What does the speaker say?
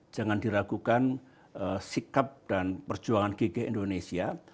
jangan diragukan sikap dan perjuangan gki indonesia